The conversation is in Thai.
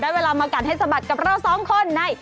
เวลามากัดให้สะบัดกับเราสองคนใน